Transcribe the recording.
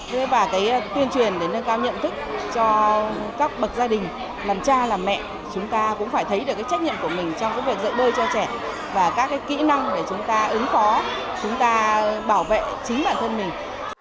thế và cái tuyên truyền để nâng cao nhận thức cho các bậc gia đình làm cha làm mẹ chúng ta cũng phải thấy được cái trách nhiệm của mình trong cái việc dạy bơi cho trẻ và các cái kỹ năng để chúng ta ứng phó chúng ta bảo vệ chính bản thân mình